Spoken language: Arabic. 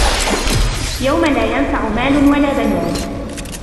يَوْمَ لَا يَنْفَعُ مَالٌ وَلَا بَنُونَ